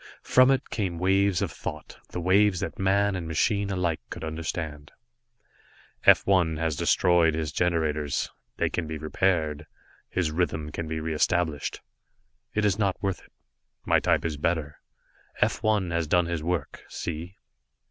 From it came waves of thought, the waves that man and machine alike could understand. "F 1 has destroyed his generators. They can be repaired; his rhythm can be re established. It is not worth it, my type is better. F 1 has done his work. See."